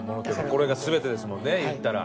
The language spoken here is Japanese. これが全てですもんねいったら。